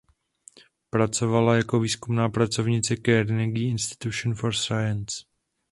Pracovala jako výzkumná pracovnice "Carnegie Institution for Science".